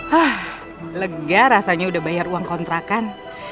hah lega rasanya udah bayar uang kontrakan